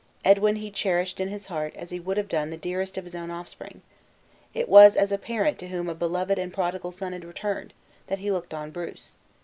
Edwin he cherished in his heart as he would have done the dearest of his own offspring. It was as a parent to whom a beloved and prodigal son had returned, that he looked on Bruce.